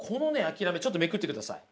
諦めちょっとめくってください。